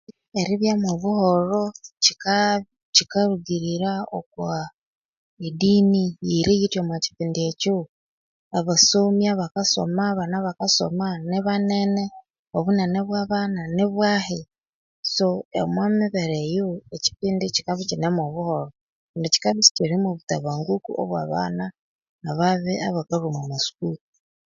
Eribyamo obuholho kyikarugirira okwa ddini yiriyithi omwa kipindi ekyo abasomi abakasoma abana abakasoma nibanene abasomi nibahi omwa so omwa mibere eyo ekipindi kikabya ikyinemo obuholho kundi kyikabya isikirimo buttabanguko oba bana ababi abakalhwa omu masukuru